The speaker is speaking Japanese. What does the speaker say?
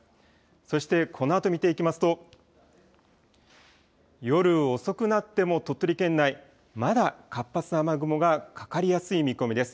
そして、このあと見ていきますと、夜遅くなっても、鳥取県内、まだ活発な雨雲がかかりやすい見込みです。